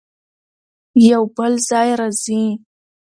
يو بل ځای راځي